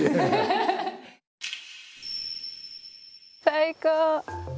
最高！